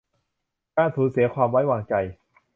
การสูญเสียความไว้วางใจ